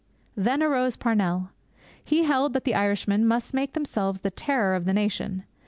Then arose Parnell. He held that the Irishmen must make themselves the terror of the nation.